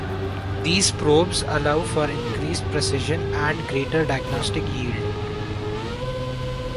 These probes allow for increased precision and greater diagnostic yield.